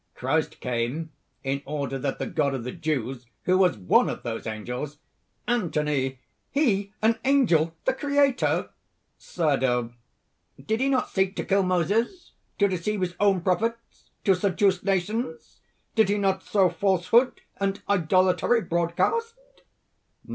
Christ came, in order that the God of the Jews, who was one of those angels...." ANTHONY. "He an angel! the Creator!" CERDO. "Did he not seek to kill Moses, to deceive his own prophets, to seduce nations? did he not sow falsehood and idolatry broadcast?"